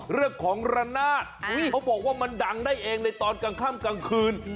เรื่องของระนาดเขาบอกว่ามันดังได้เองในตอนกลางค่ำกลางคืน